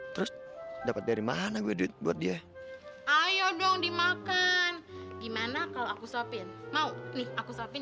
terus dapat dari mana gue duit buat dia ayo dong dimakan gimana kalau aku sapin mau nih aku suapin